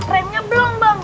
remnya belum bang